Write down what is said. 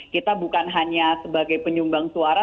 kita bukan hanya sebagai penyumbang suara